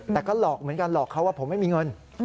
แต่ก็หลอกเหมือนกันหลอกเขาว่าผมไม่มีเงิน